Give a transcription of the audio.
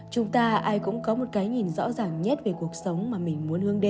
chúng ta ai cũng có một cái nhìn rõ ràng nhất về cuộc sống mà mình muốn hướng đến